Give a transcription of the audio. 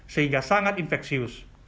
sehingga sangat infeksius